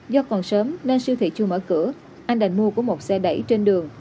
do còn sớm nên siêu thị chưa mở cửa anh đà mua của một xe đẩy trên đường